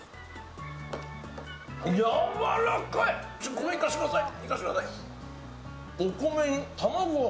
米いかせてください。